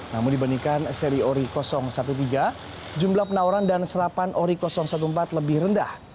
namun dibandingkan seri ori tiga belas jumlah penawaran dan serapan ori empat belas lebih rendah